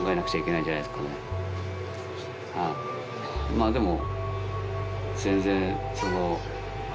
まあでも。